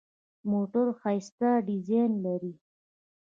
موټر ښایسته ډیزاین لري.